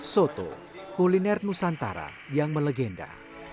soto kuliner nusantara yang melegenda